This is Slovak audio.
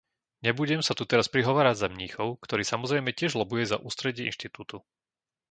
Nebudem sa tu teraz prihovárať za Mníchov, ktorý, samozrejme, tiež lobuje za ústredie inštitútu.